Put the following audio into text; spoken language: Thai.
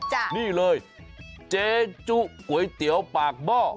นี่เลยเจจุก๋วยเตี๋ยวปากหม้อ